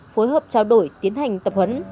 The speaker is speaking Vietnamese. phối hợp trao đổi tiến hành tập huấn